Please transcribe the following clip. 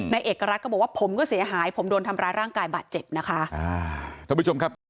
นายเอกรัฐก็บอกว่าผมก็เสียหายผมโดนทำร้ายร่างกายบาดเจ็บนะคะ